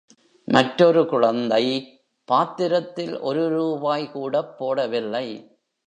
மற்றொரு குழந்தை பாத்திரத்தில் ஒரு ரூபாய்கூடப் போடவில்லை.